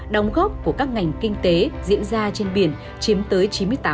đóng góp của các ngành kinh tế diễn ra trên biển chiếm tới chín mươi tám